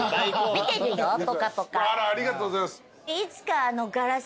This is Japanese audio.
ありがとうございます。